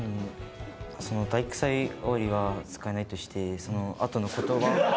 「体育祭終わり」は使えないとしてそのあとの言葉。